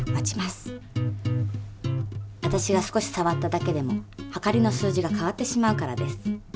わたしが少しさわっただけでもはかりの数字が変わってしまうからです。